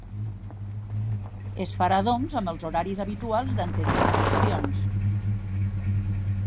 Es farà, doncs, amb els horaris habituals d’anteriors eleccions.